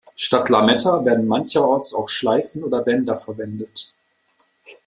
Statt Lametta werden mancherorts auch Schleifen oder Bänder verwendet.